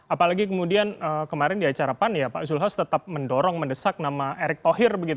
apalagi kemudian kemarin di acara pan ya pak zulhas tetap mendorong mendesak nama erick thohir